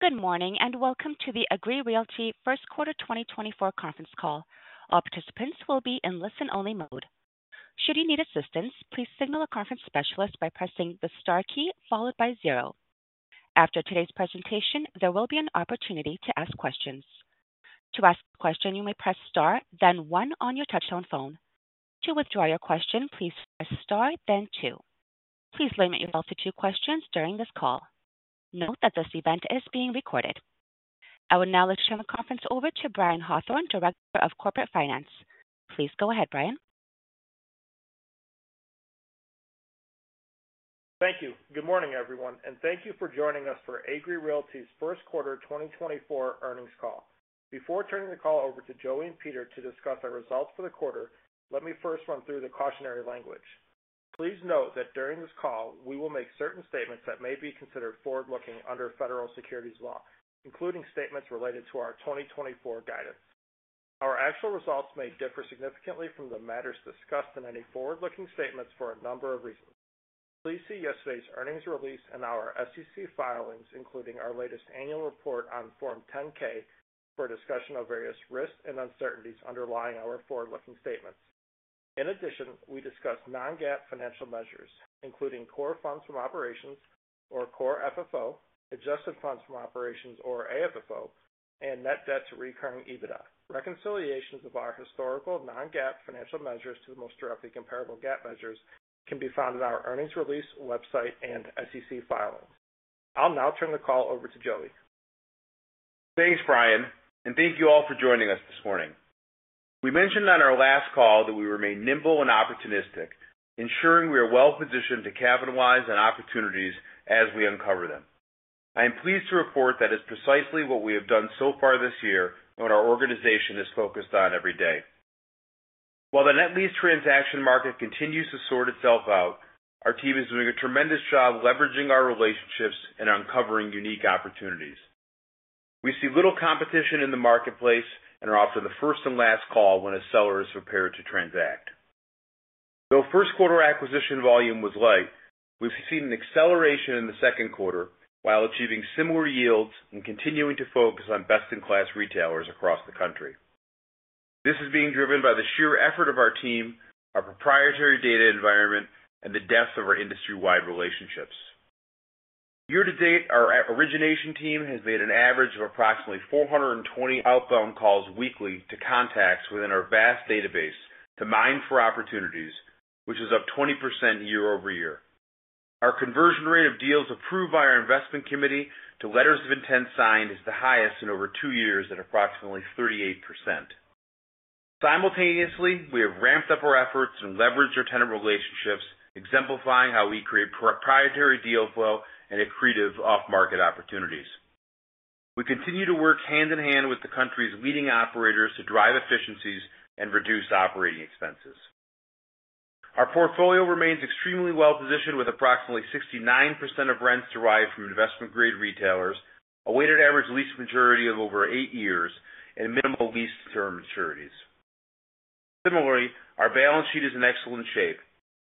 Good morning and welcome to the Agree Realty first quarter 2024 conference call. All participants will be in listen-only mode. Should you need assistance, please signal a conference specialist by pressing the star key followed by zero. After today's presentation, there will be an opportunity to ask questions. To ask a question, you may press star, then one on your touchscreen phone. To withdraw your question, please press star, then two. Please limit yourself to two questions during this call. Note that this event is being recorded. I will now turn the conference over to Brian Hawthorne, Director of Corporate Finance. Please go ahead, Brian. Thank you. Good morning, everyone, and thank you for joining us for Agree Realty's first quarter 2024 earnings call. Before turning the call over to Joey and Peter to discuss our results for the quarter, let me first run through the cautionary language. Please note that during this call we will make certain statements that may be considered forward-looking under federal securities law, including statements related to our 2024 guidance. Our actual results may differ significantly from the matters discussed in any forward-looking statements for a number of reasons. Please see yesterday's earnings release and our SEC filings, including our latest annual report on Form 10-K, for a discussion of various risks and uncertainties underlying our forward-looking statements. In addition, we discuss non-GAAP financial measures, including core funds from operations, or core FFO, adjusted funds from operations, or AFFO, and net debt to recurring EBITDA. Reconciliations of our historical non-GAAP financial measures to the most directly comparable GAAP measures can be found in our earnings release website and SEC filings. I'll now turn the call over to Joey. Thanks, Brian, and thank you all for joining us this morning. We mentioned on our last call that we remain nimble and opportunistic, ensuring we are well-positioned to capitalize on opportunities as we uncover them. I am pleased to report that is precisely what we have done so far this year and what our organization is focused on every day. While the net lease transaction market continues to sort itself out, our team is doing a tremendous job leveraging our relationships and uncovering unique opportunities. We see little competition in the marketplace and are often the first and last call when a seller is prepared to transact. Though first quarter acquisition volume was light, we've seen an acceleration in the second quarter while achieving similar yields and continuing to focus on best-in-class retailers across the country. This is being driven by the sheer effort of our team, our proprietary data environment, and the depth of our industry-wide relationships. Year-to-date, our origination team has made an average of approximately 420 outbound calls weekly to contacts within our vast database to mine for opportunities, which is up 20% year-over-year. Our conversion rate of deals approved by our investment committee to letters of intent signed is the highest in over two years at approximately 38%. Simultaneously, we have ramped up our efforts and leveraged our tenant relationships, exemplifying how we create proprietary deal flow and accretive off-market opportunities. We continue to work hand in hand with the country's leading operators to drive efficiencies and reduce operating expenses. Our portfolio remains extremely well-positioned with approximately 69% of rents derived from investment-grade retailers, a weighted average lease maturity of over eight years, and minimal lease term maturities. Similarly, our balance sheet is in excellent shape,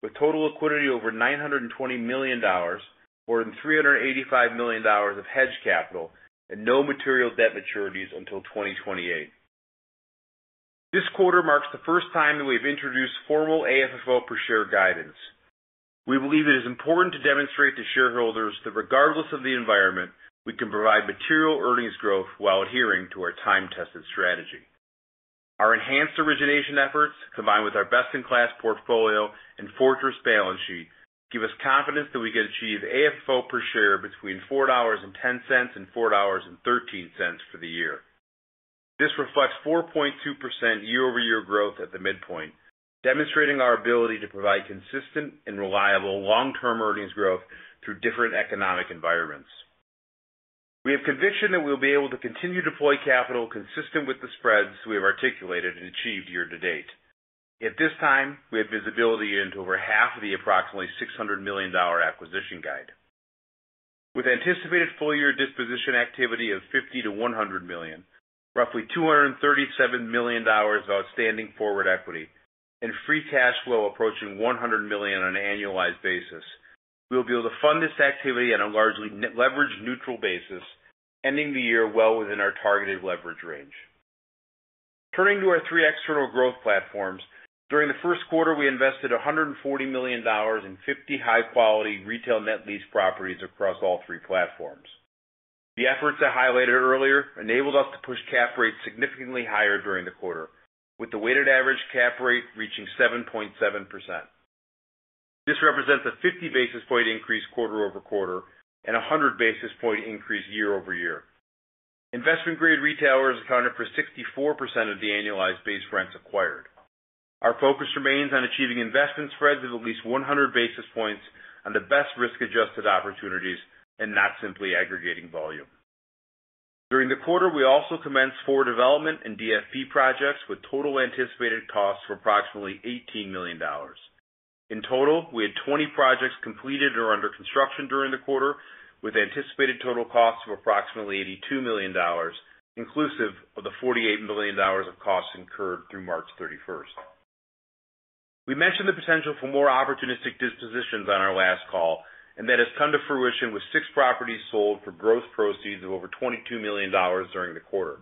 with total liquidity over $920 million, more than $385 million of hedge capital, and no material debt maturities until 2028. This quarter marks the first time that we have introduced formal AFFO per share guidance. We believe it is important to demonstrate to shareholders that regardless of the environment, we can provide material earnings growth while adhering to our time-tested strategy. Our enhanced origination efforts, combined with our best-in-class portfolio and fortress balance sheet, give us confidence that we can achieve AFFO per share between $4.10 and $4.13 for the year. This reflects 4.2% year-over-year growth at the midpoint, demonstrating our ability to provide consistent and reliable long-term earnings growth through different economic environments. We have conviction that we will be able to continue to deploy capital consistent with the spreads we have articulated and achieved year-to-date. At this time, we have visibility into over half of the approximately $600 million acquisition guide. With anticipated full-year disposition activity of $50 million-$100 million, roughly $237 million of outstanding forward equity, and free cash flow approaching $100 million on an annualized basis, we will be able to fund this activity on a largely leveraged neutral basis, ending the year well within our targeted leverage range. Turning to our three external growth platforms, during the first quarter we invested $140 million in 50 high-quality retail net lease properties across all three platforms. The efforts I highlighted earlier enabled us to push cap rates significantly higher during the quarter, with the weighted average cap rate reaching 7.7%. This represents a 50 basis point increase quarter-over-quarter and a 100 basis point increase year-over-year. Investment-grade retailers accounted for 64% of the annualized base rents acquired. Our focus remains on achieving investment spreads of at least 100 basis points on the best risk-adjusted opportunities and not simply aggregating volume. During the quarter, we also commenced four development and DFP projects with total anticipated costs of approximately $18 million. In total, we had 20 projects completed or under construction during the quarter with anticipated total costs of approximately $82 million, inclusive of the $48 million of costs incurred through March 31st. We mentioned the potential for more opportunistic dispositions on our last call and that has come to fruition with six properties sold for growth proceeds of over $22 million during the quarter.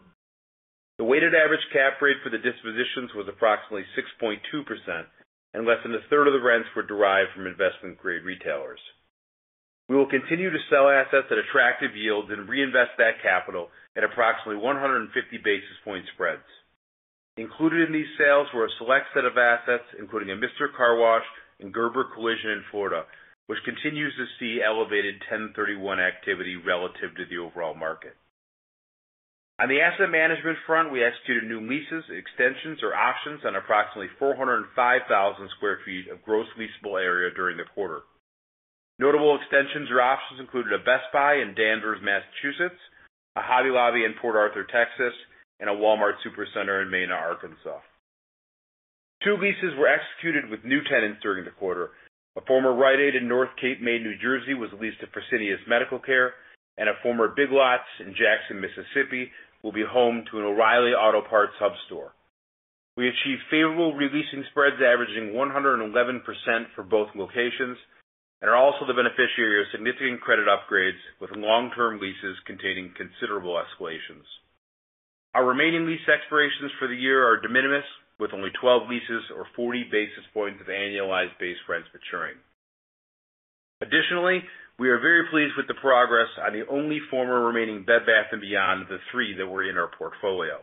The weighted average cap rate for the dispositions was approximately 6.2%, and less than a third of the rents were derived from investment-grade retailers. We will continue to sell assets at attractive yields and reinvest that capital at approximately 150 basis point spreads. Included in these sales were a select set of assets, including a Mister Car Wash and Gerber Collision in Florida, which continues to see elevated 1031 activity relative to the overall market. On the asset management front, we executed new leases, extensions, or options on approximately 405,000 sq ft of gross leasable area during the quarter. Notable extensions or options included a Best Buy in Danvers, Massachusetts, a Hobby Lobby in Port Arthur, Texas, and a Walmart Supercenter in Mena, Arkansas. Two leases were executed with new tenants during the quarter. A former Rite Aid in North Cape May, New Jersey, was leased to Fresenius Medical Care, and a former Big Lots in Jackson, Mississippi, will be home to an O'Reilly Auto Parts hub store. We achieved favorable releasing spreads averaging 111% for both locations and are also the beneficiary of significant credit upgrades with long-term leases containing considerable escalations. Our remaining lease expirations for the year are de minimis, with only 12 leases or 40 basis points of annualized base rents maturing. Additionally, we are very pleased with the progress on the only former remaining Bed Bath & Beyond of the three that were in our portfolio.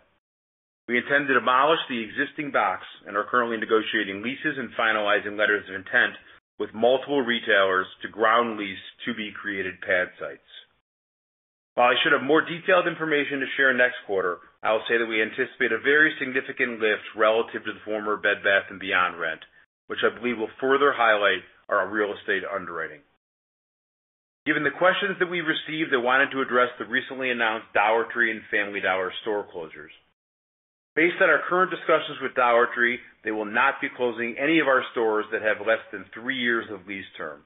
We intend to demolish the existing box and are currently negotiating leases and finalizing letters of intent with multiple retailers to ground lease to-be-created pad sites. While I should have more detailed information to share next quarter, I will say that we anticipate a very significant lift relative to the former Bed Bath & Beyond rent, which I believe will further highlight our real estate underwriting. Given the questions that we received, I wanted to address the recently announced Dollar Tree and Family Dollar store closures. Based on our current discussions with Dollar Tree, they will not be closing any of our stores that have less than 3 years of lease term.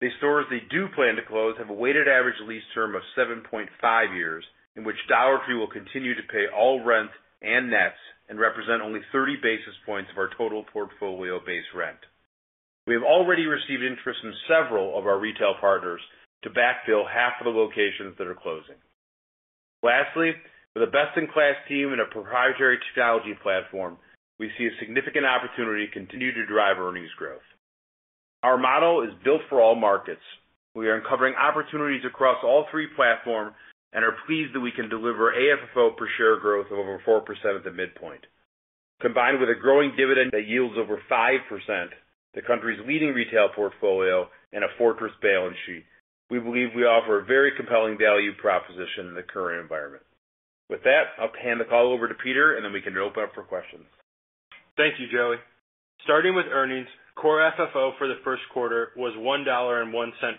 The stores they do plan to close have a weighted average lease term of 7.5 years, in which Dollar Tree will continue to pay all rents and nets and represent only 30 basis points of our total portfolio base rent. We have already received interest from several of our retail partners to backfill half of the locations that are closing. Lastly, with a best-in-class team and a proprietary technology platform, we see a significant opportunity to continue to drive earnings growth. Our model is built for all markets. We are uncovering opportunities across all three platforms and are pleased that we can deliver AFFO per share growth of over 4% at the midpoint. Combined with a growing dividend that yields over 5%, the country's leading retail portfolio, and a fortress balance sheet, we believe we offer a very compelling value proposition in the current environment. With that, I'll hand the call over to Peter, and then we can open up for questions. Thank you, Joey. Starting with earnings, core FFO for the first quarter was $1.01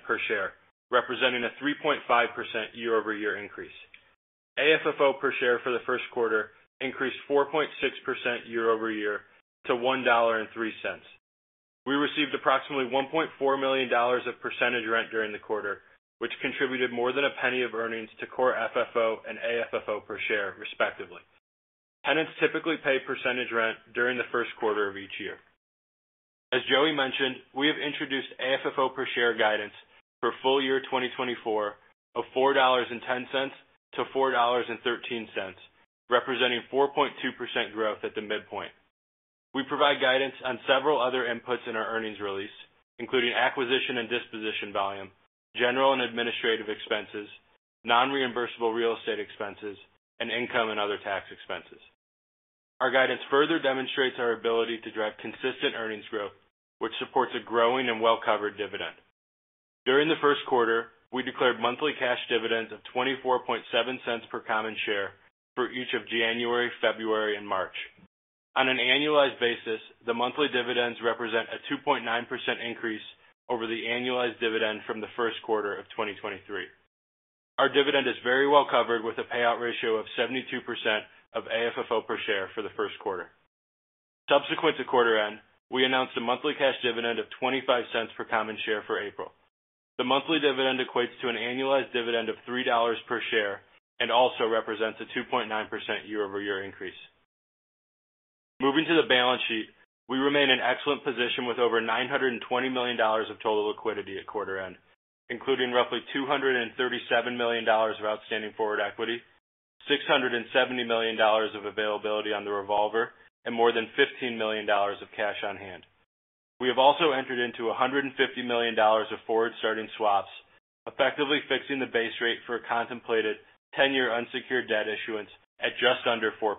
per share, representing a 3.5% year-over-year increase. AFFO per share for the first quarter increased 4.6% year-over-year to $1.03. We received approximately $1.4 million of percentage rent during the quarter, which contributed more than a penny of earnings to core FFO and AFFO per share, respectively. Tenants typically pay percentage rent during the first quarter of each year. As Joey mentioned, we have introduced AFFO per share guidance for full year 2024 of $4.10-$4.13, representing 4.2% growth at the midpoint. We provide guidance on several other inputs in our earnings release, including acquisition and disposition volume, general and administrative expenses, non-reimbursable real estate expenses, and income and other tax expenses. Our guidance further demonstrates our ability to drive consistent earnings growth, which supports a growing and well-covered dividend. During the first quarter, we declared monthly cash dividends of $0.24 per common share for each of January, February, and March. On an annualized basis, the monthly dividends represent a 2.9% increase over the annualized dividend from the first quarter of 2023. Our dividend is very well-covered with a payout ratio of 72% of AFFO per share for the first quarter. Subsequent to quarter end, we announced a monthly cash dividend of $0.25 per common share for April. The monthly dividend equates to an annualized dividend of $3 per share and also represents a 2.9% year-over-year increase. Moving to the balance sheet, we remain in excellent position with over $920 million of total liquidity at quarter end, including roughly $237 million of outstanding forward equity, $670 million of availability on the revolver, and more than $15 million of cash on hand. We have also entered into $150 million of forward starting swaps, effectively fixing the base rate for a contemplated 10-year unsecured debt issuance at just under 4%.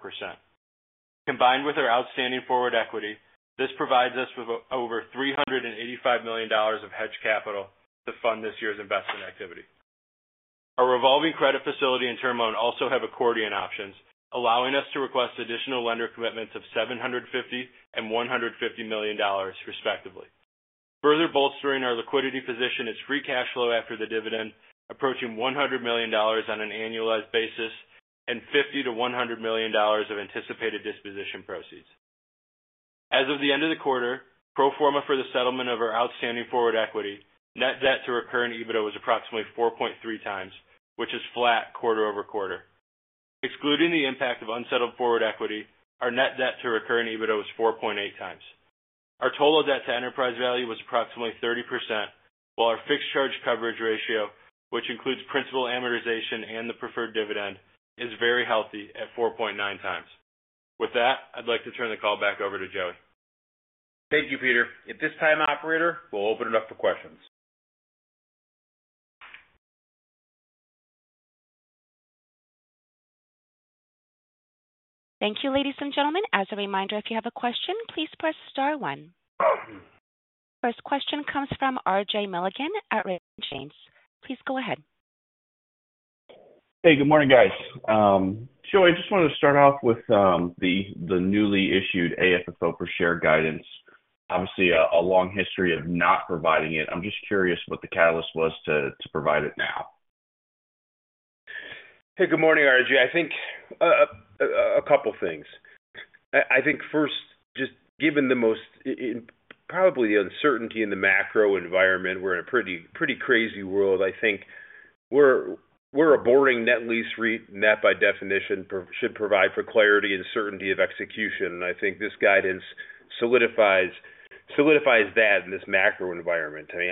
Combined with our outstanding forward equity, this provides us with over $385 million of hedge capital to fund this year's investment activity. Our revolving credit facility and term loan also have accordion options, allowing us to request additional lender commitments of $750 million and $150 million, respectively, further bolstering our liquidity position as free cash flow after the dividend approaching $100 million on an annualized basis and $50 million-$100 million of anticipated disposition proceeds. As of the end of the quarter, pro forma for the settlement of our outstanding forward equity, net debt to recurring EBITDA was approximately 4.3x, which is flat quarter-over-quarter. Excluding the impact of unsettled forward equity, our net debt to recurring EBITDA was 4.8x. Our total debt to enterprise value was approximately 30%, while our fixed charge coverage ratio, which includes principal amortization and the preferred dividend, is very healthy at 4.9 times. With that, I'd like to turn the call back over to Joey. Thank you, Peter. At this time, operator, we'll open it up for questions. Thank you, ladies and gentlemen. As a reminder, if you have a question, please press star one. First question comes from R.J. Milligan at Raymond James. Please go ahead. Hey, good morning, guys. Joey, I just wanted to start off with the newly issued AFFO per share guidance. Obviously, a long history of not providing it. I'm just curious what the catalyst was to provide it now. Hey, good morning, R.J. I think a couple of things. I think first, just given, most probably, the uncertainty in the macro environment, we're in a pretty crazy world. I think we're a boring net lease REIT and that, by definition, should provide for clarity and certainty of execution. And I think this guidance solidifies that in this macro environment. I mean,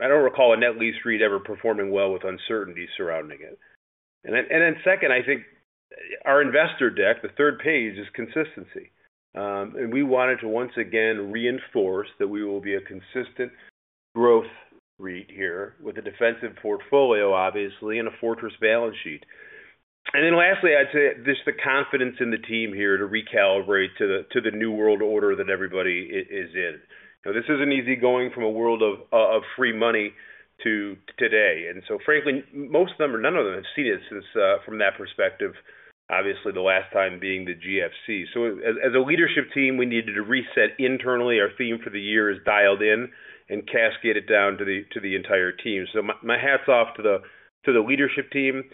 I don't recall a net lease REIT ever performing well with uncertainty surrounding it. And then second, I think our investor deck, the third page, is consistency. And we wanted to once again reinforce that we will be a consistent growth rate here with a defensive portfolio, obviously, and a fortress balance sheet. And then lastly, I'd say just the confidence in the team here to recalibrate to the new world order that everybody is in. This isn't easy going from a world of free money to today. Frankly, most of them or none of them have seen it from that perspective, obviously, the last time being the GFC. As a leadership team, we needed to reset internally. Our theme for the year is dialed in and cascade it down to the entire team. My hat's off to the leadership team.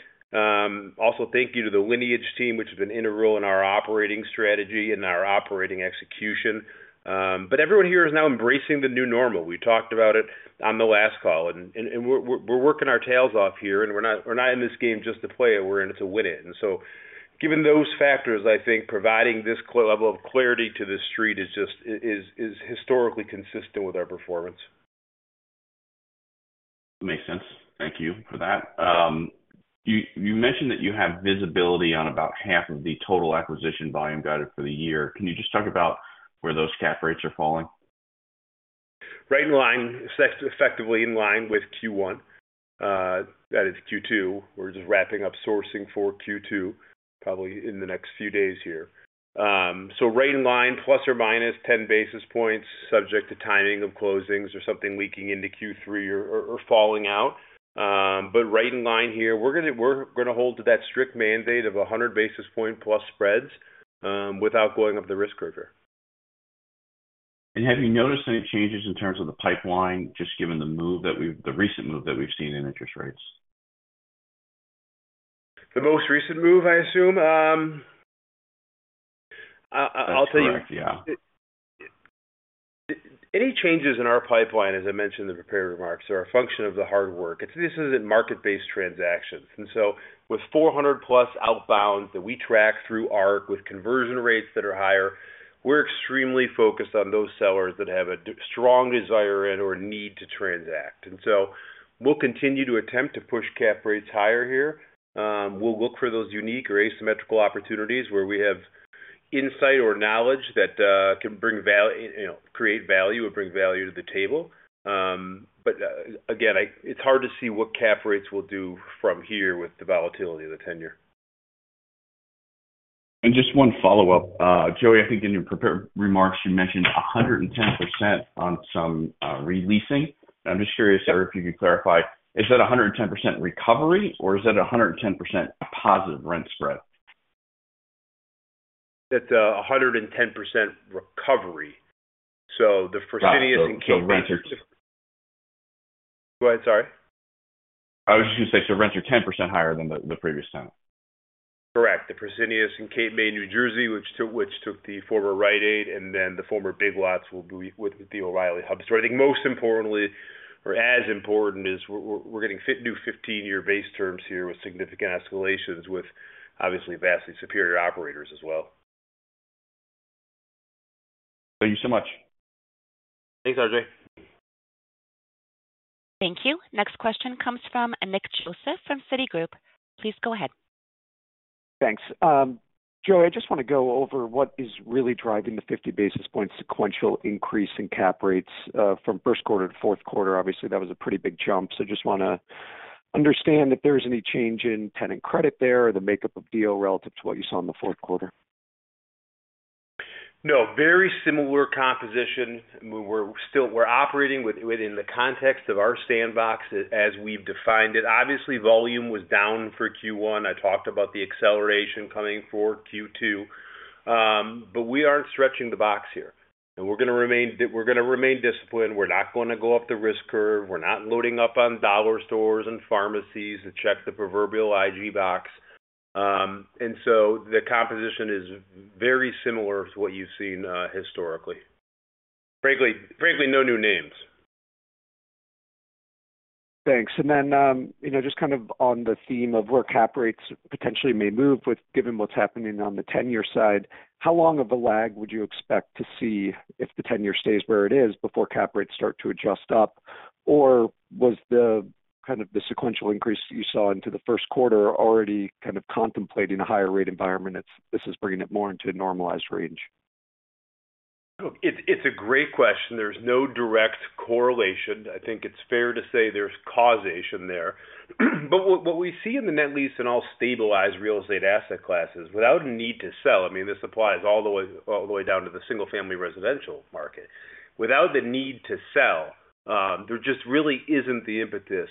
Also, thank you to the Lineage team, which has been integral in our operating strategy and our operating execution. Everyone here is now embracing the new normal. We talked about it on the last call. We're working our tails off here. We're not in this game just to play it. We're in it to win it. Given those factors, I think providing this level of clarity to the street is historically consistent with our performance. That makes sense. Thank you for that. You mentioned that you have visibility on about half of the total acquisition volume guided for the year. Can you just talk about where those cap rates are falling? Right in line. It's effectively in line with Q1. That is Q2. We're just wrapping up sourcing for Q2 probably in the next few days here. So right in line, ±10 basis points, subject to timing of closings or something leaking into Q3 or falling out. But right in line here, we're going to hold to that strict mandate of 100 basis point+ spreads without going up the risk curve. Have you noticed any changes in terms of the pipeline, just given the recent move that we've seen in interest rates? The most recent move, I assume? I'll tell you. Yeah. Any changes in our pipeline, as I mentioned in the prepared remarks, are a function of the hard work. This isn't market-based transactions. And so with 400+ outbounds that we track through ARC with conversion rates that are higher, we're extremely focused on those sellers that have a strong desire in or need to transact. And so we'll continue to attempt to push cap rates higher here. We'll look for those unique or asymmetrical opportunities where we have insight or knowledge that can create value or bring value to the table. But again, it's hard to see what cap rates will do from here with the volatility of the 10-year. Just one follow-up. Joey, I think in your prepared remarks, you mentioned 110% on some releasing. I'm just curious, sir, if you could clarify, is that 110% recovery, or is that 110% positive rent spread? It's 110% recovery. So the Fresenius and Cape May. Got it. So rents are going to. Go ahead. Sorry. I was just going to say, so rents are 10% higher than the previous tenant. Correct. The Fresenius in North Cape May, New Jersey, which took the former Rite Aid, and then the former Big Lots will be with the O'Reilly hub store. I think most importantly or as important is we're getting new 15-year base terms here with significant escalations with, obviously, vastly superior operators as well. Thank you so much. Thanks, R.J. Thank you. Next question comes from Nick Joseph from Citigroup. Please go ahead. Thanks. Joey, I just want to go over what is really driving the 50 basis point sequential increase in cap rates from first quarter to fourth quarter. Obviously, that was a pretty big jump. So just want to understand if there's any change in tenant credit there or the makeup of deal relative to what you saw in the fourth quarter. No. Very similar composition. We're operating within the context of our sandbox as we've defined it. Obviously, volume was down for Q1. I talked about the acceleration coming for Q2. But we aren't stretching the box here. And we're going to remain disciplined. We're not going to go up the risk curve. We're not loading up on dollar stores and pharmacies to check the proverbial IG box. And so the composition is very similar to what you've seen historically. Frankly, no new names. Thanks. Then just kind of on the theme of where cap rates potentially may move with given what's happening on the 10-year side, how long of a lag would you expect to see if the 10-year stays where it is before cap rates start to adjust up? Or was kind of the sequential increase that you saw into the first quarter already kind of contemplating a higher rate environment? This is bringing it more into a normalized range. It's a great question. There's no direct correlation. I think it's fair to say there's causation there. But what we see in the net lease and all stabilized real estate asset classes, without a need to sell—I mean, this applies all the way down to the single-family residential market. Without the need to sell, there just really isn't the impetus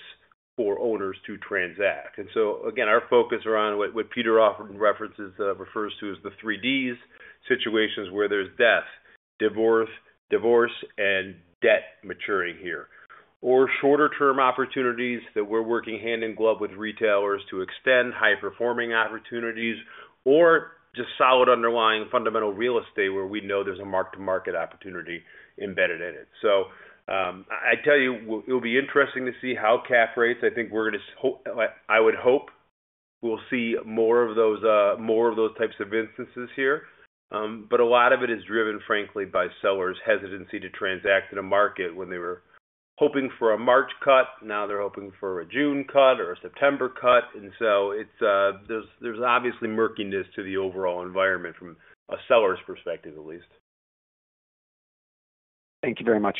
for owners to transact. And so again, our focus around what Brian Hawthorne refers to as the 3Ds situations where there's death, divorce, and debt maturing here, or shorter-term opportunities that we're working hand in glove with retailers to extend high-performing opportunities or just solid underlying fundamental real estate where we know there's a mark-to-market opportunity embedded in it. So I'd tell you, it'll be interesting to see how cap rates. I think we're going to—I would hope we'll see more of those types of instances here. But a lot of it is driven, frankly, by sellers' hesitancy to transact in a market when they were hoping for a March cut. Now they're hoping for a June cut or a September cut. And so there's obviously murkiness to the overall environment from a seller's perspective, at least. Thank you very much.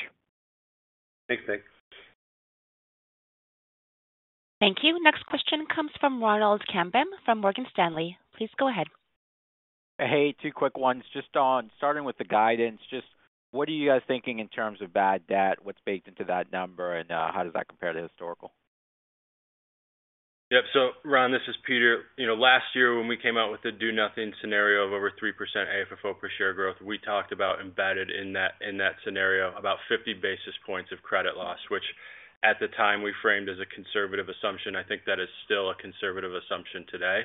Thanks, Nick. Thank you. Next question comes from Ronald Kamdem from Morgan Stanley. Please go ahead. Hey, two quick ones. Just starting with the guidance, just what are you guys thinking in terms of bad debt? What's baked into that number, and how does that compare to historical? Yep. So Ron, this is Peter. Last year, when we came out with the do-nothing scenario of over 3% AFFO per share growth, we talked about embedded in that scenario about 50 basis points of credit loss, which at the time, we framed as a conservative assumption. I think that is still a conservative assumption today.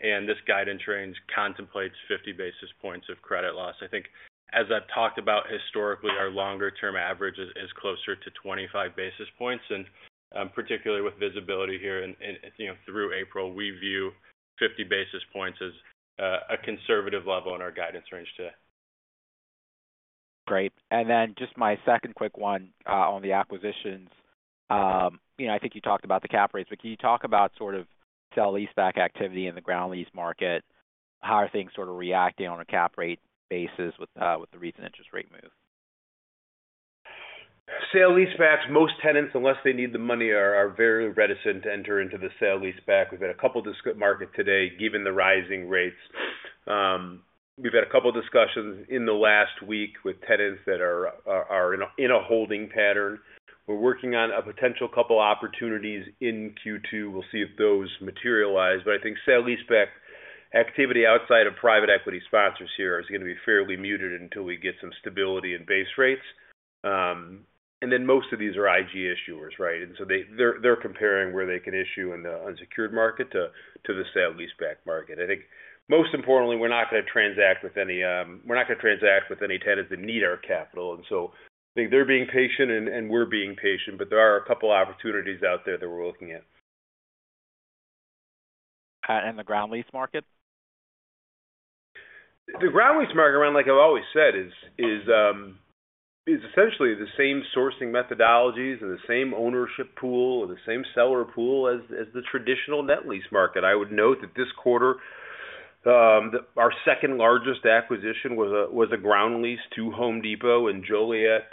And this guidance range contemplates 50 basis points of credit loss. I think as I've talked about historically, our longer-term average is closer to 25 basis points. And particularly with visibility here through April, we view 50 basis points as a conservative level in our guidance range today. Great. And then just my second quick one on the acquisitions. I think you talked about the cap rates, but can you talk about sort of sale-leaseback activity in the ground lease market? How are things sort of reacting on a cap rate basis with the recent interest rate move? Sale-leasebacks, most tenants, unless they need the money, are very reticent to enter into the sale-leaseback. We've had a couple of markets today, given the rising rates. We've had a couple of discussions in the last week with tenants that are in a holding pattern. We're working on a potential couple of opportunities in Q2. We'll see if those materialize. But I think sale-leaseback activity outside of private equity sponsors here is going to be fairly muted until we get some stability in base rates. And then most of these are IG issuers, right? And so they're comparing where they can issue in the unsecured market to the sale-leaseback market. I think most importantly, we're not going to transact with any tenants that need our capital. And so I think they're being patient, and we're being patient. But there are a couple of opportunities out there that we're looking at. The ground lease market? The ground lease market, Ron, like I've always said, is essentially the same sourcing methodologies and the same ownership pool or the same seller pool as the traditional net lease market. I would note that this quarter, our second largest acquisition was a ground lease to Home Depot in Joliet,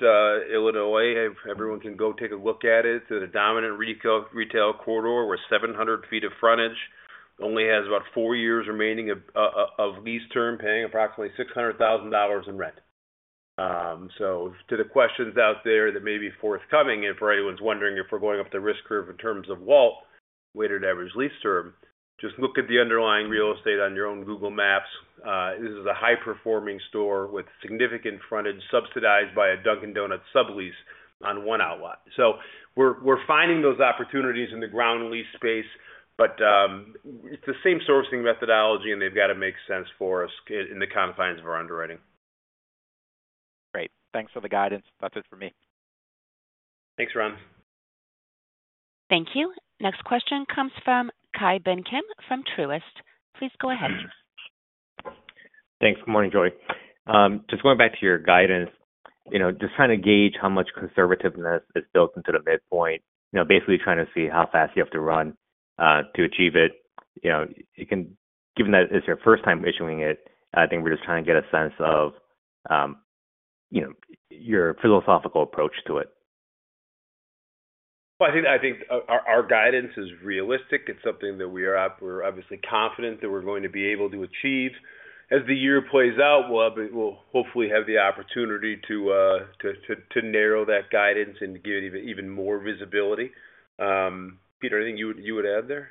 Illinois. Everyone can go take a look at it. It's in a dominant retail corridor with 700 feet of frontage. Only has about four years remaining of lease term, paying approximately $600,000 in rent. So to the questions out there that may be forthcoming, and for anyone's wondering if we're going up the risk curve in terms of WALT, weighted average lease term, just look at the underlying real estate on your own Google Maps. This is a high-performing store with significant frontage subsidized by a Dunkin' Donuts sublease on one outlet. So we're finding those opportunities in the ground lease space. But it's the same sourcing methodology, and they've got to make sense for us in the confines of our underwriting. Great. Thanks for the guidance. That's it from me. Thanks, Ron. Thank you. Next question comes from Ki Bin Kim from Truist. Please go ahead. Thanks. Good morning, Joey. Just going back to your guidance, just trying to gauge how much conservativeness is built into the midpoint, basically trying to see how fast you have to run to achieve it. Given that it's your first time issuing it, I think we're just trying to get a sense of your philosophical approach to it. Well, I think our guidance is realistic. It's something that we are obviously confident that we're going to be able to achieve. As the year plays out, we'll hopefully have the opportunity to narrow that guidance and to give it even more visibility. Peter, anything you would add there?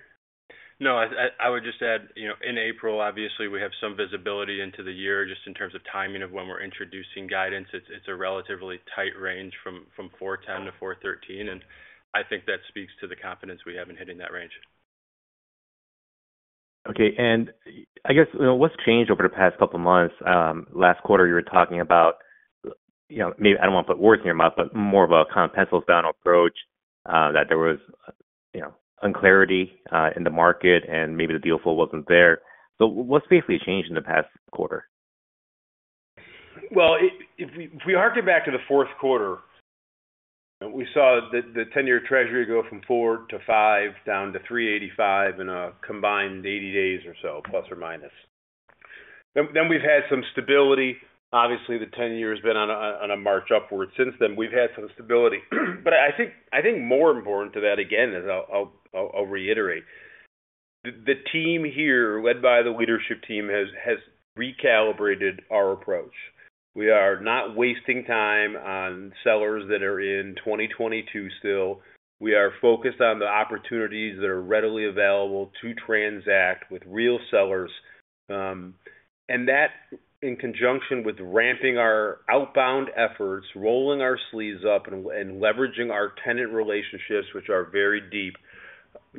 No, I would just add in April, obviously, we have some visibility into the year just in terms of timing of when we're introducing guidance. It's a relatively tight range from 4.10-4.13. I think that speaks to the confidence we have in hitting that range. Okay. And I guess what's changed over the past couple of months? Last quarter, you were talking about maybe I don't want to put words in your mouth, but more of a kind of pencils-down approach that there was unclarity in the market and maybe the deal flow wasn't there. So what's basically changed in the past quarter? Well, if we arc it back to the fourth quarter, we saw the 10-year treasury go from 4.5 down to 3.85 in a combined ±80 days or so. Then we've had some stability. Obviously, the 10-year has been on a march upwards since then. We've had some stability. But I think more important to that, again, as I'll reiterate, the team here, led by the leadership team, has recalibrated our approach. We are not wasting time on sellers that are in 2022 still. We are focused on the opportunities that are readily available to transact with real sellers. And that, in conjunction with ramping our outbound efforts, rolling our sleeves up, and leveraging our tenant relationships, which are very deep,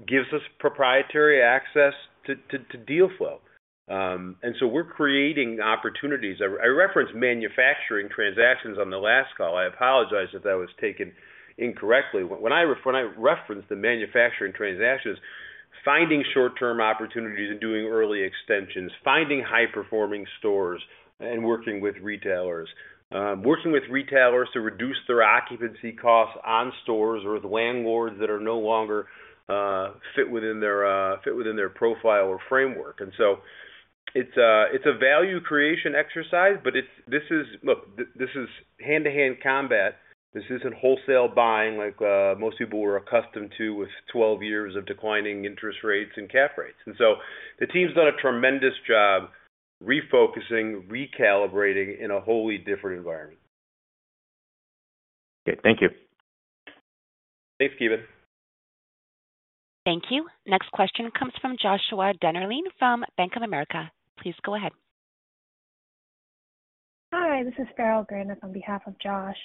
gives us proprietary access to deal flow. And so we're creating opportunities. I referenced manufacturing transactions on the last call. I apologize if that was taken incorrectly. When I referenced the manufacturing transactions, finding short-term opportunities and doing early extensions, finding high-performing stores, and working with retailers, working with retailers to reduce their occupancy costs on stores or with landlords that are no longer fit within their profile or framework. And so it's a value creation exercise, but look, this is hand-to-hand combat. This isn't wholesale buying like most people were accustomed to with 12 years of declining interest rates and cap rates. And so the team's done a tremendous job refocusing, recalibrating in a wholly different environment. Okay. Thank you. Thanks, Ki Bin. Thank you. Next question comes from Joshua Dennerlein from Bank of America. Please go ahead. Hi. This is Farah Granath on behalf of Josh.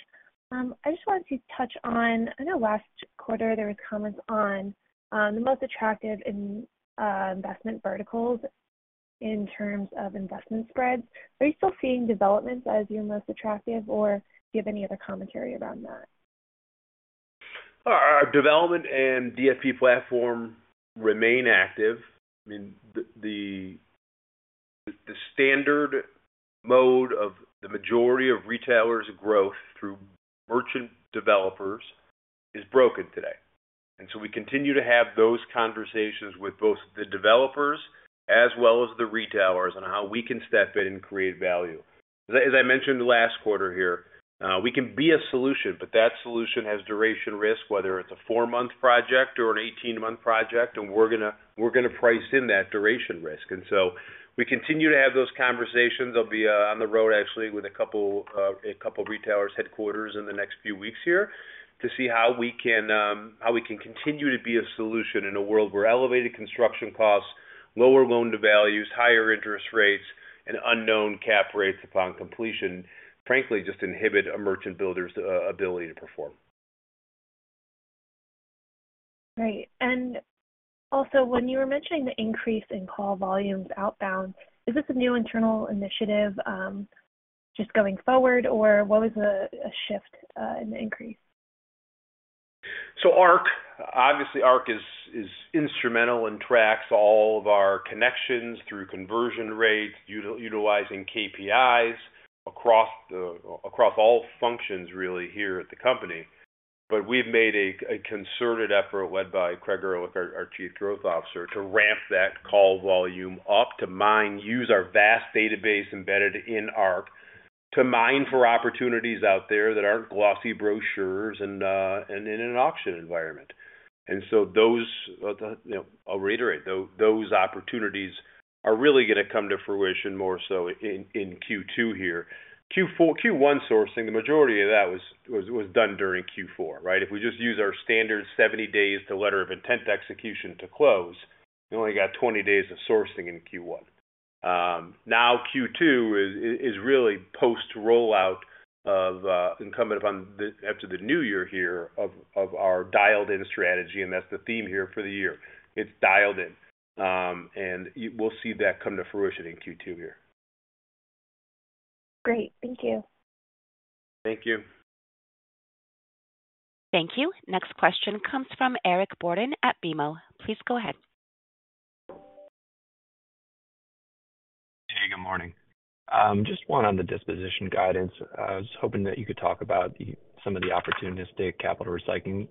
I just wanted to touch on, I know last quarter, there was comments on the most attractive investment verticals in terms of investment spreads. Are you still seeing developments as your most attractive, or do you have any other commentary around that? Our development and DFP platform remain active. I mean, the standard mode of the majority of retailers' growth through merchant developers is broken today. And so we continue to have those conversations with both the developers as well as the retailers on how we can step in and create value. As I mentioned last quarter here, we can be a solution, but that solution has duration risk, whether it's a 4-month project or an 18-month project, and we're going to price in that duration risk. And so we continue to have those conversations. I'll be on the road, actually, with a couple of retailers' headquarters in the next few weeks here to see how we can continue to be a solution in a world where elevated construction costs, lower loan-to-values, higher interest rates, and unknown cap rates upon completion, frankly, just inhibit a merchant builder's ability to perform. Great. And also, when you were mentioning the increase in call volumes outbound, is this a new internal initiative just going forward, or what was the shift in the increase? So obviously, ARC is instrumental and tracks all of our connections through conversion rates, utilizing KPIs across all functions, really, here at the company. But we've made a concerted effort, led by Craig Erlich, our Chief Growth Officer, to ramp that call volume up, to use our vast database embedded in ARC, to mine for opportunities out there that aren't glossy brochures and in an auction environment. And so I'll reiterate, those opportunities are really going to come to fruition more so in Q2 here. Q1 sourcing, the majority of that was done during Q4, right? If we just use our standard 70 days to letter of intent execution to close, we only got 20 days of sourcing in Q1. Now Q2 is really post-rollout and coming up after the new year here of our dialed-in strategy, and that's the theme here for the year. It's dialed-in. We'll see that come to fruition in Q2 here. Great. Thank you. Thank you. Thank you. Next question comes from Eric Borden at BMO. Please go ahead. Hey, good morning. Just one on the disposition guidance. I was hoping that you could talk about some of the opportunistic capital recycling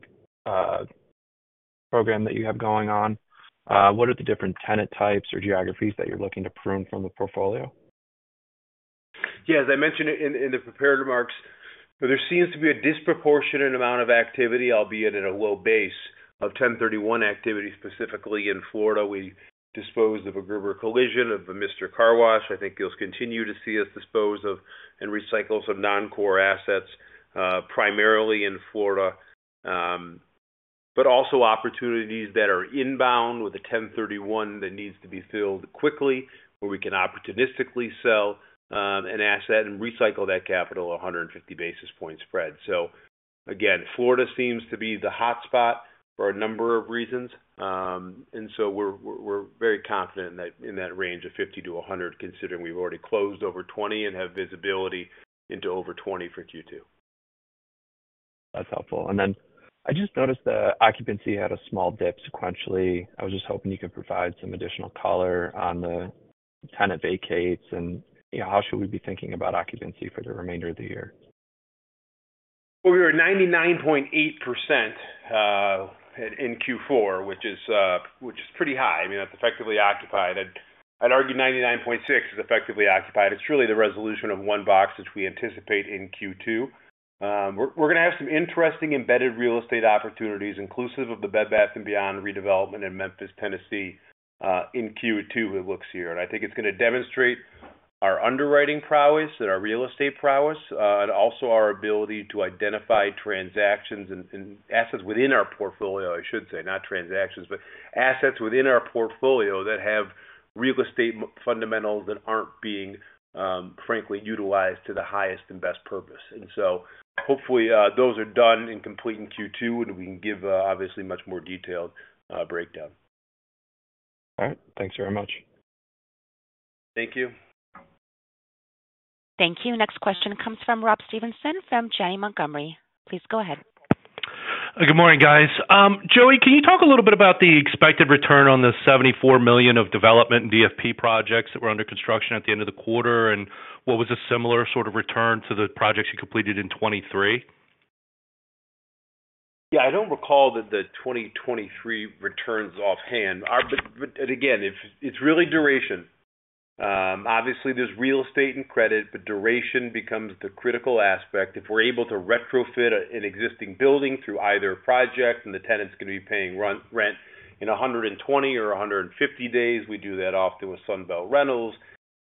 program that you have going on. What are the different tenant types or geographies that you're looking to prune from the portfolio? Yeah. As I mentioned in the preparatory remarks, there seems to be a disproportionate amount of activity, albeit at a low base, of 1031 activity specifically in Florida. We dispose of a Gerber Collision of a Mr. Car Wash. I think you'll continue to see us dispose of and recycle some non-core assets primarily in Florida, but also opportunities that are inbound with a 1031 that needs to be filled quickly where we can opportunistically sell an asset and recycle that capital 150 basis point spread. So again, Florida seems to be the hotspot for a number of reasons. And so we're very confident in that range of 50-100, considering we've already closed over 20 and have visibility into over 20 for Q2. That's helpful. And then I just noticed the occupancy had a small dip sequentially. I was just hoping you could provide some additional color on the tenant vacates. And how should we be thinking about occupancy for the remainder of the year? Well, we were 99.8% in Q4, which is pretty high. I mean, that's effectively occupied. I'd argue 99.6% is effectively occupied. It's really the resolution of one box which we anticipate in Q2. We're going to have some interesting embedded real estate opportunities, inclusive of the Bed Bath & Beyond redevelopment in Memphis, Tennessee, in Q2, it looks here. And I think it's going to demonstrate our underwriting prowess and our real estate prowess and also our ability to identify transactions and assets within our portfolio, I should say, not transactions, but assets within our portfolio that have real estate fundamentals that aren't being, frankly, utilized to the highest and best purpose. And so hopefully, those are done and complete in Q2, and we can give, obviously, much more detailed breakdown. All right. Thanks very much. Thank you. Thank you. Next question comes from Rob Stevenson from Janney Montgomery Scott. Please go ahead. Good morning, guys. Joey, can you talk a little bit about the expected return on the $74 million of development and DFP projects that were under construction at the end of the quarter and what was a similar sort of return to the projects you completed in 2023? Yeah. I don't recall that the 2023 returns offhand. But again, it's really duration. Obviously, there's real estate and credit, but duration becomes the critical aspect. If we're able to retrofit an existing building through either project and the tenant's going to be paying rent in 120 or 150 days, we do that often with Sunbelt Rentals.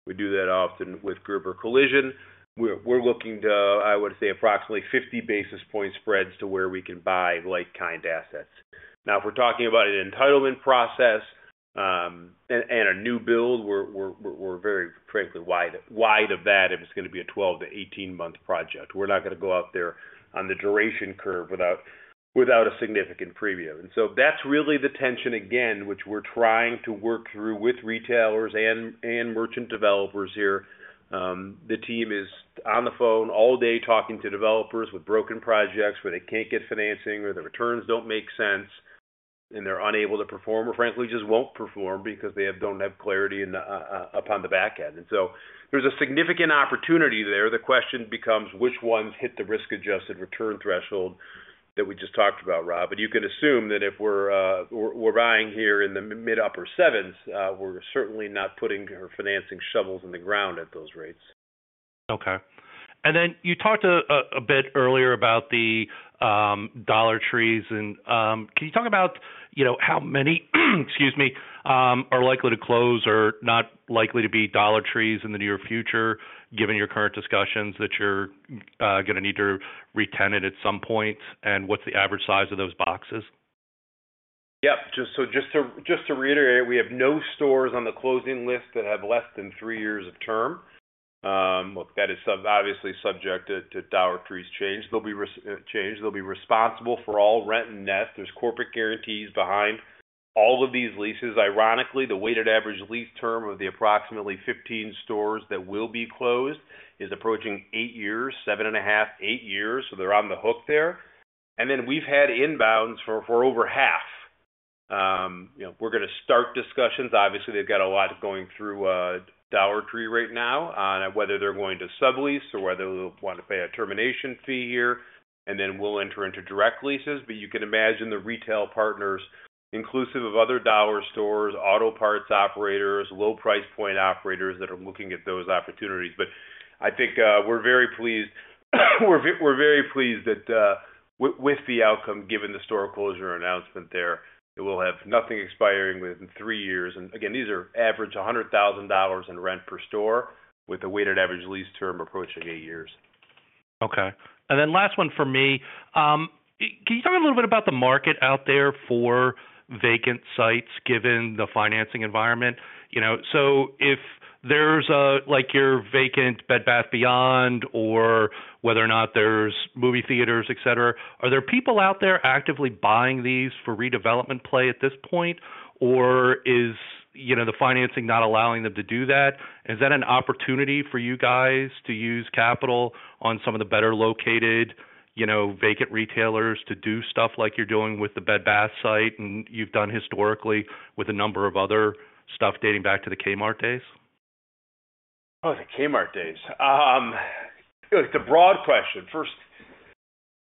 We do that often with Gerber Collision. We're looking to, I would say, approximately 50 basis point spreads to where we can buy like-kind assets. Now, if we're talking about an entitlement process and a new build, we're very, frankly, wide of that if it's going to be a 12-18-month project. We're not going to go out there on the duration curve without a significant preview. And so that's really the tension, again, which we're trying to work through with retailers and merchant developers here. The team is on the phone all day talking to developers with broken projects where they can't get financing or the returns don't make sense, and they're unable to perform or, frankly, just won't perform because they don't have clarity upon the back end. So there's a significant opportunity there. The question becomes, which ones hit the risk-adjusted return threshold that we just talked about, Rob? But you can assume that if we're buying here in the mid-upper sevens, we're certainly not putting our financing shovels in the ground at those rates. Okay. And then you talked a bit earlier about the Dollar Trees. And can you talk about how many, excuse me, are likely to close or not likely to be Dollar Trees in the near future, given your current discussions that you're going to need to re-tenant it at some point? And what's the average size of those boxes? Yep. So just to reiterate, we have no stores on the closing list that have less than 3 years of term. Look, that is obviously subject to Dollar Tree's change. They'll be responsible for all rent and net. There's corporate guarantees behind all of these leases. Ironically, the weighted average lease term of the approximately 15 stores that will be closed is approaching 8 years, 7.5, 8 years. So they're on the hook there. And then we've had inbounds for over half. We're going to start discussions. Obviously, they've got a lot going through Dollar Tree right now on whether they're going to sublease or whether they'll want to pay a termination fee here. And then we'll enter into direct leases. But you can imagine the retail partners, inclusive of other dollar stores, auto parts operators, low-price point operators that are looking at those opportunities. I think we're very pleased with the outcome, given the store closure announcement there. It will have nothing expiring within 3 years. Again, these are average $100,000 in rent per store with a weighted average lease term approaching 8 years. Okay. And then last one for me. Can you talk a little bit about the market out there for vacant sites, given the financing environment? So if there's your vacant Bed Bath & Beyond or whether or not there's movie theaters, etc., are there people out there actively buying these for redevelopment play at this point, or is the financing not allowing them to do that? And is that an opportunity for you guys to use capital on some of the better-located vacant retailers to do stuff like you're doing with the Bed Bath & Beyond site and you've done historically with a number of other stuff dating back to the Kmart days? Oh, the Kmart days. The broad question, first,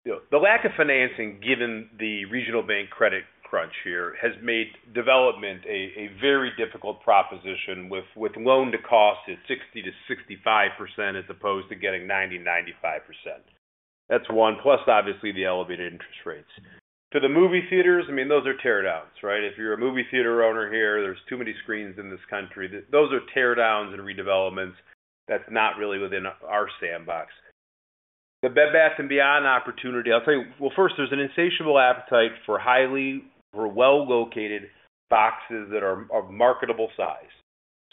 the lack of financing, given the regional bank credit crunch here, has made development a very difficult proposition with loan-to-cost at 60%-65% as opposed to getting 90%, 95%. That's one, plus, obviously, the elevated interest rates. To the movie theaters, I mean, those are teardowns, right? If you're a movie theater owner here, there's too many screens in this country. Those are teardowns and redevelopments. That's not really within our sandbox. The Bed Bath and Beyond opportunity, I'll say, well, first, there's an insatiable appetite for well-located boxes that are of marketable size.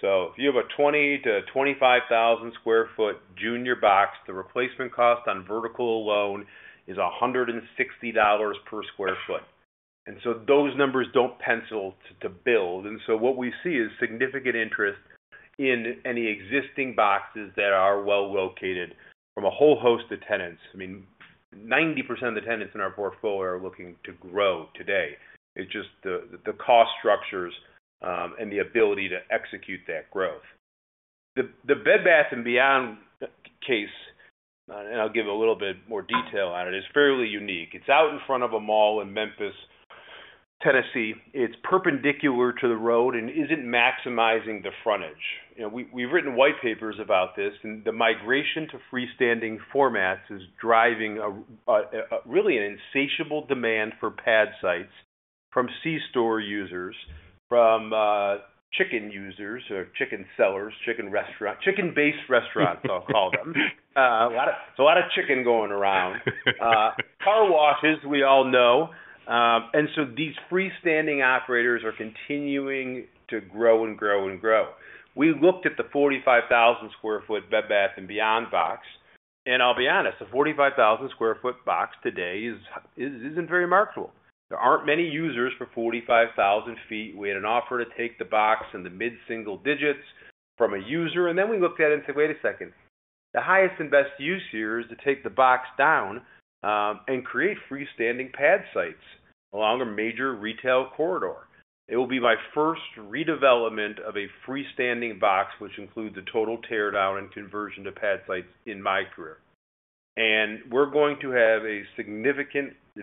So if you have a 20,000-25,000 sq ft junior box, the replacement cost on vertical alone is $160 per sq ft. And so those numbers don't pencil to build. What we see is significant interest in any existing boxes that are well-located from a whole host of tenants. I mean, 90% of the tenants in our portfolio are looking to grow today. It's just the cost structures and the ability to execute that growth. The Bed Bath & Beyond case, and I'll give a little bit more detail on it, is fairly unique. It's out in front of a mall in Memphis, Tennessee. It's perpendicular to the road and isn't maximizing the frontage. We've written white papers about this. And the migration to freestanding formats is driving, really, an insatiable demand for pad sites from C-store users, from chicken users or chicken sellers, chicken-based restaurants, I'll call them. It's a lot of chicken going around. Car washes, we all know. And so these freestanding operators are continuing to grow and grow and grow. We looked at the 45,000 sq ft Bed Bath & Beyond box. And I'll be honest, the 45,000 sq ft box today isn't very marketable. There aren't many users for 45,000 feet. We had an offer to take the box and the mid-single digits from a user. And then we looked at it and said, "Wait a second. The highest and best use here is to take the box down and create freestanding pad sites along a major retail corridor. It will be my first redevelopment of a freestanding box, which includes a total teardown and conversion to pad sites in my career." And we're going to have a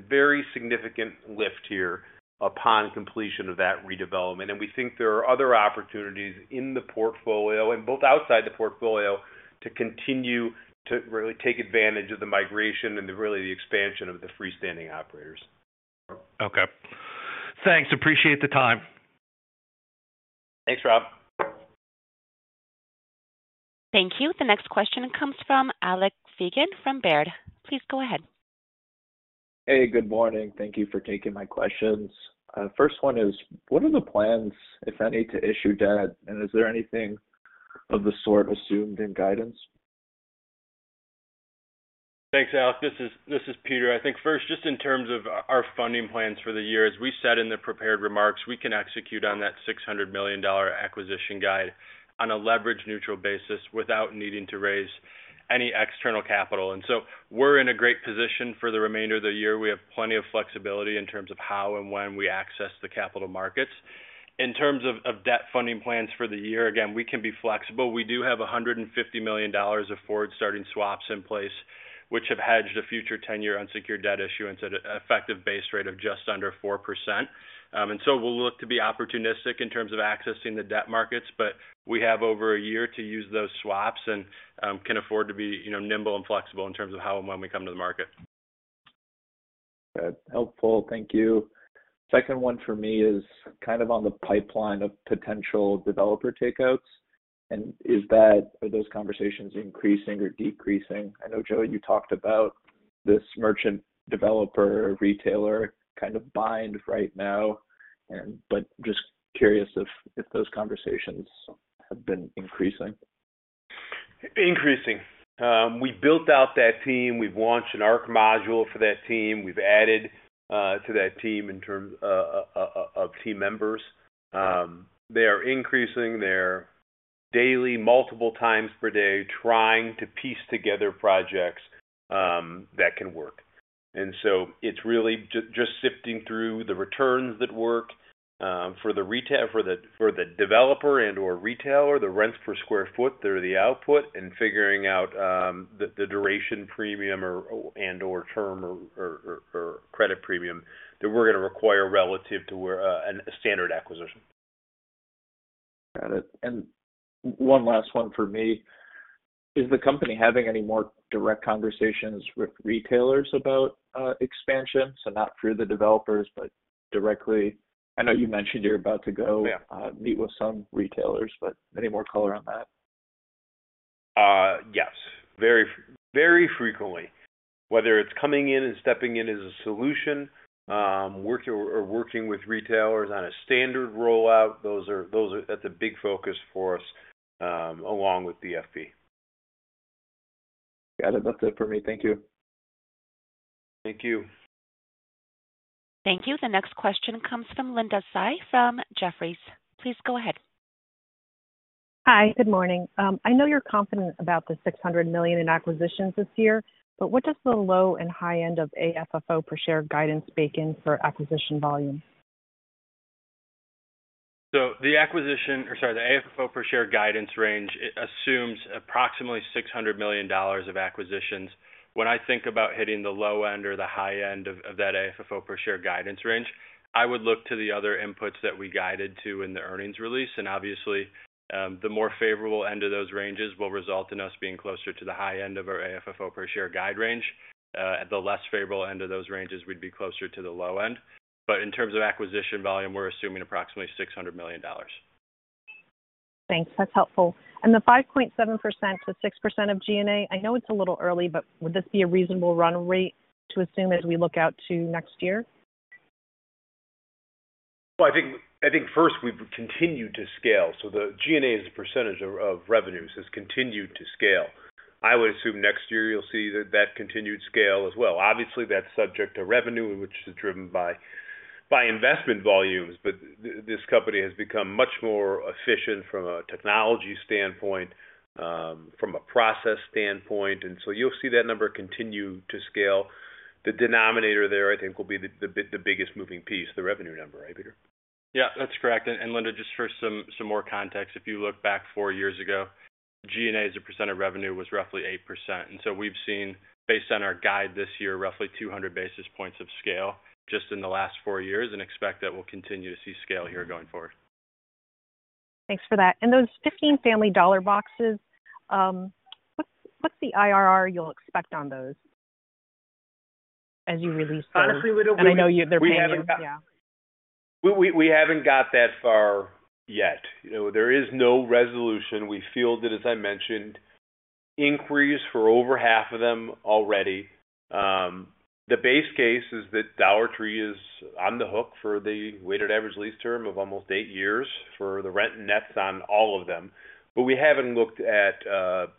very significant lift here upon completion of that redevelopment. And we think there are other opportunities in the portfolio and both outside the portfolio to continue to really take advantage of the migration and really the expansion of the freestanding operators. Okay. Thanks. Appreciate the time. Thanks, Rob. Thank you. The next question comes from Alec Feygin from Baird. Please go ahead. Hey, good morning. Thank you for taking my questions. First one is, what are the plans, if any, to issue debt? And is there anything of the sort assumed in guidance? Thanks, Alec. This is Peter. I think first, just in terms of our funding plans for the year, as we said in the prepared remarks, we can execute on that $600 million acquisition guide on a leverage-neutral basis without needing to raise any external capital. And so we're in a great position for the remainder of the year. We have plenty of flexibility in terms of how and when we access the capital markets. In terms of debt funding plans for the year, again, we can be flexible. We do have $150 million of forward-starting swaps in place, which have hedged a future 10-year unsecured debt issuance at an effective base rate of just under 4%. And so we'll look to be opportunistic in terms of accessing the debt markets. But we have over a year to use those swaps and can afford to be nimble and flexible in terms of how and when we come to the market. Helpful. Thank you. Second one for me is kind of on the pipeline of potential developer takeouts. Are those conversations increasing or decreasing? I know, Joey, you talked about this merchant developer retailer kind of bind right now, but just curious if those conversations have been increasing. Increasing. We built out that team. We've launched an ARC module for that team. We've added to that team in terms of team members. They are increasing. They're daily, multiple times per day, trying to piece together projects that can work. And so it's really just sifting through the returns that work for the developer and/or retailer, the rents per square foot that are the output, and figuring out the duration premium and/or term or credit premium that we're going to require relative to a standard acquisition. Got it. And one last one for me. Is the company having any more direct conversations with retailers about expansion? So not through the developers, but directly? I know you mentioned you're about to go meet with some retailers, but any more color on that? Yes. Very frequently. Whether it's coming in and stepping in as a solution, or working with retailers on a standard rollout, that's a big focus for us along with DFP. Got it. That's it for me. Thank you. Thank you. Thank you. The next question comes from Linda Tsai from Jefferies. Please go ahead. Hi. Good morning. I know you're confident about the $600 million in acquisitions this year, but what does the low and high end of AFFO per share guidance bake in for acquisition volume? So the acquisition or sorry, the AFFO per share guidance range assumes approximately $600 million of acquisitions. When I think about hitting the low end or the high end of that AFFO per share guidance range, I would look to the other inputs that we guided to in the earnings release. And obviously, the more favorable end of those ranges will result in us being closer to the high end of our AFFO per share guide range. At the less favorable end of those ranges, we'd be closer to the low end. But in terms of acquisition volume, we're assuming approximately $600 million. Thanks. That's helpful. The 5.7%-6% of G&A, I know it's a little early, but would this be a reasonable run rate to assume as we look out to next year? Well, I think first, we've continued to scale. So the G&A as a percentage of revenues has continued to scale. I would assume next year, you'll see that continued scale as well. Obviously, that's subject to revenue, which is driven by investment volumes. But this company has become much more efficient from a technology standpoint, from a process standpoint. And so you'll see that number continue to scale. The denominator there, I think, will be the biggest moving piece, the revenue number, right, Peter? Yeah, that's correct. And Linda, just for some more context, if you look back four years ago, G&A as a percent of revenue was roughly 8%. And so we've seen, based on our guide this year, roughly 200 basis points of scale just in the last four years and expect that we'll continue to see scale here going forward. Thanks for that. Those 15 Family Dollar boxes, what's the IRR you'll expect on those as you re-lease those? I know they're paying you. We haven't got that far yet. There is no resolution. We fielded, as I mentioned, inquiries for over half of them already. The base case is that Dollar Tree is on the hook for the weighted average lease term of almost eight years for the rent and nets on all of them. But we haven't looked at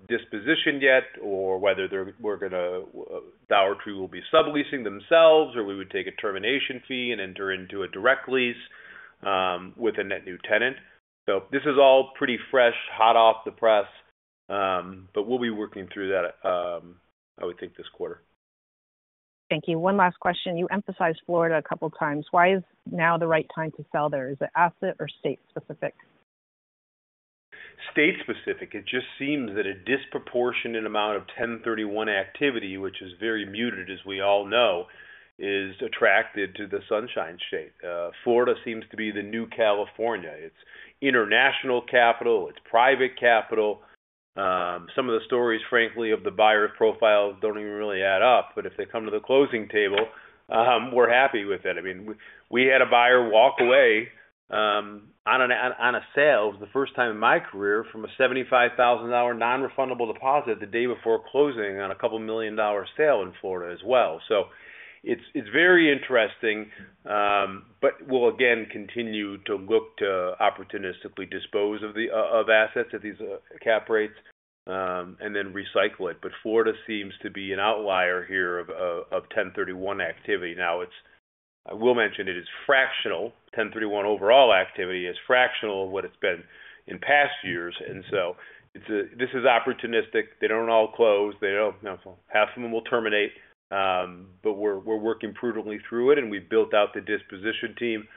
disposition yet or whether we're going to Dollar Tree will be subleasing themselves or we would take a termination fee and enter into a direct lease with a net new tenant. So this is all pretty fresh, hot off the press. But we'll be working through that, I would think, this quarter. Thank you. One last question. You emphasized Florida a couple of times. Why is now the right time to sell there? Is it asset or state-specific? State-specific. It just seems that a disproportionate amount of 1031 activity, which is very muted, as we all know, is attracted to the Sunshine State. Florida seems to be the new California. It's international capital. It's private capital. Some of the stories, frankly, of the buyer's profiles don't even really add up. But if they come to the closing table, we're happy with it. I mean, we had a buyer walk away on a sale for the first time in my career from a $75,000 non-refundable deposit the day before closing on a $2 million sale in Florida as well. So it's very interesting but will, again, continue to look to opportunistically dispose of assets at these cap rates and then recycle it. But Florida seems to be an outlier here of 1031 activity. Now, I will mention it is fractional. 1031 overall activity is fractional of what it's been in past years. So this is opportunistic. They don't all close. Half of them will terminate. But we're working prudently through it. We've built out the disposition team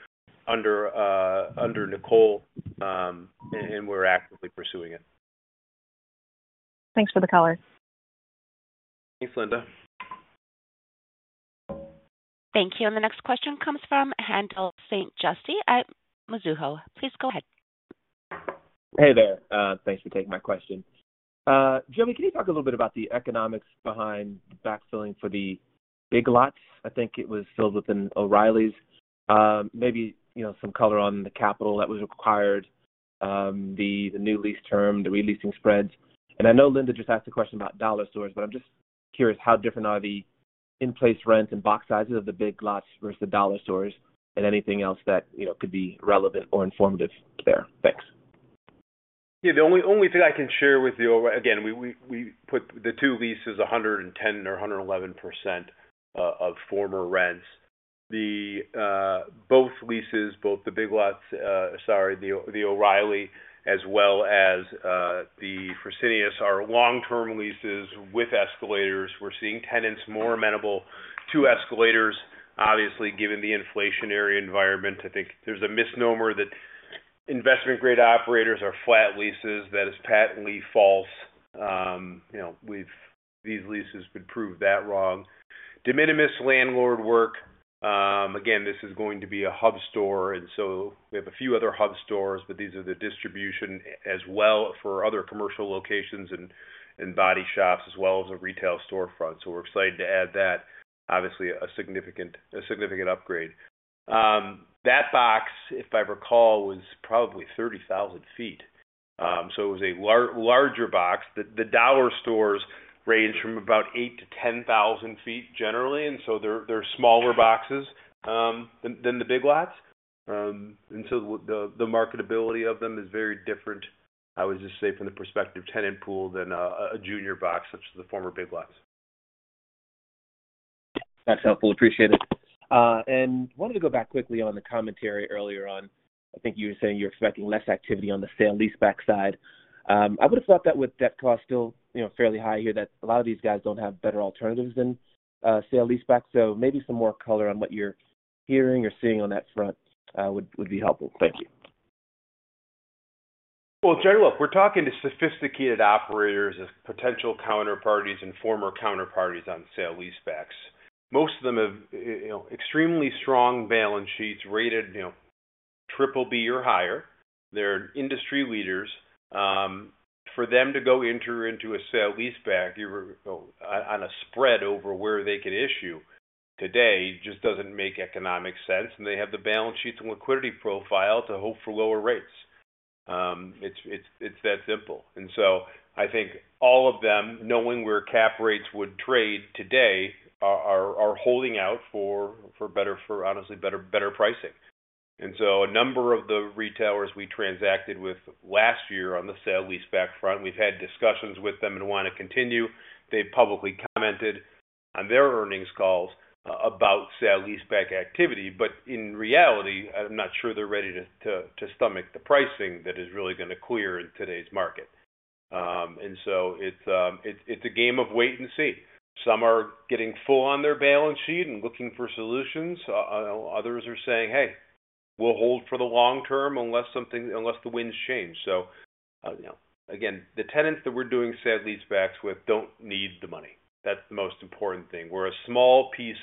under Nicole. And we're actively pursuing it. Thanks for the color. Thanks, Linda. Thank you. And the next question comes from Haendel St. Juste at Mizuho. Please go ahead. Hey there. Thanks for taking my question. Joey, can you talk a little bit about the economics behind backfilling for the Big Lots? I think it was filled with an O'Reilly's. Maybe some color on the capital that was required, the new lease term, the releasing spreads. I know Linda just asked a question about dollar stores. I'm just curious, how different are the in-place rents and box sizes of the Big Lots versus the dollar stores? And anything else that could be relevant or informative there? Thanks. Yeah. The only thing I can share with you, again, we put the two leases 110% or 111% of former rents. Both leases, both the Big Lots—sorry, the O'Reilly—as well as the Fresenius are long-term leases with escalators. We're seeing tenants more amenable to escalators, obviously, given the inflationary environment. I think there's a misnomer that investment-grade operators are flat leases. That is patently false. These leases have been proved that wrong. De minimis landlord work, again, this is going to be a hub store. And so we have a few other hub stores. But these are the distribution as well for other commercial locations and body shops as well as a retail storefront. So we're excited to add that, obviously, a significant upgrade. That box, if I recall, was probably 30,000 sq ft. So it was a larger box. The dollar stores range from about eight to 10 thousand feet, generally. So they're smaller boxes than the Big Lots. So the marketability of them is very different, I would just say, from the perspective tenant pool than a junior box such as the former Big Lots. That's helpful. Appreciate it. And wanted to go back quickly on the commentary earlier on. I think you were saying you're expecting less activity on the sale-leaseback side. I would have thought that with debt costs still fairly high here, that a lot of these guys don't have better alternatives than sale-leaseback. So maybe some more color on what you're hearing or seeing on that front would be helpful. Thank you. Well, generally, we're talking to sophisticated operators as potential counterparties and former counterparties on sale-leasebacks. Most of them have extremely strong balance sheets rated triple B or higher. They're industry leaders. For them to go enter into a sale-leaseback on a spread over where they could issue today just doesn't make economic sense. And they have the balance sheets and liquidity profile to hope for lower rates. It's that simple. And so I think all of them, knowing where cap rates would trade today, are holding out for, honestly, better pricing. And so a number of the retailers we transacted with last year on the sale-leaseback front, we've had discussions with them and want to continue. They've publicly commented on their earnings calls about sale-leaseback activity. But in reality, I'm not sure they're ready to stomach the pricing that is really going to clear in today's market. And so it's a game of wait and see. Some are getting full on their balance sheet and looking for solutions. Others are saying, "Hey, we'll hold for the long term unless the winds change." So again, the tenants that we're doing sale-leasebacks with don't need the money. That's the most important thing. We're a small piece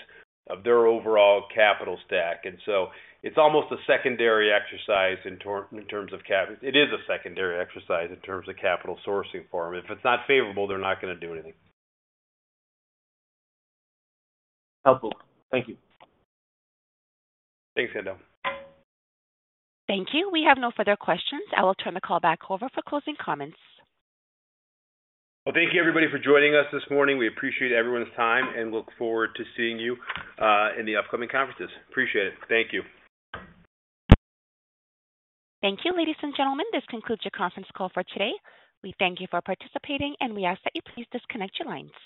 of their overall capital stack. And so it's almost a secondary exercise in terms of it is a secondary exercise in terms of capital sourcing for them. If it's not favorable, they're not going to do anything. Helpful. Thank you. Thanks, Haendel. Thank you. We have no further questions. I will turn the call back over for closing comments. Well, thank you, everybody, for joining us this morning. We appreciate everyone's time and look forward to seeing you in the upcoming conferences. Appreciate it. Thank you. Thank you, ladies and gentlemen. This concludes your conference call for today. We thank you for participating. We ask that you please disconnect your lines.